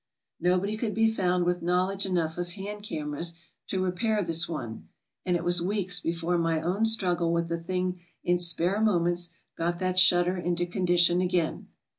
Nobody could be found with knowledge enoug'h of hand cameras to repair this one, a,nd it w'as weeks before my own struggle with the thing in spare moments got that shutter into condition again.